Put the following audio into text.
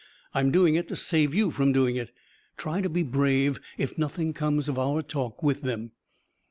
I'm doing it to save you from doing it. Try to be brave, if nothing comes of our talk with them."